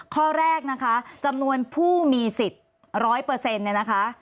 ข้อแรกนะคะจำนวนผู้มีสิทธิ์๑๐๐เนี่ยนะคะ